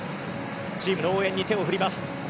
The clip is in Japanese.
チームの応援に手を振ります。